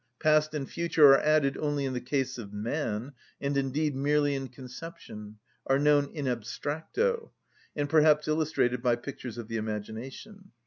Past and future are added only in the case of man, and indeed merely in conception, are known in abstracto, and perhaps illustrated by pictures of the imagination.